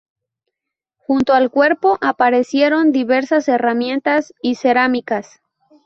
Junto al cuerpo aparecieron diversas herramientas y cerámicas.